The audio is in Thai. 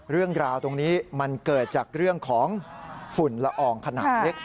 เรื่องราวตรงนี้มันเกิดจากเรื่องของฝุ่นละอองขนาดเล็ก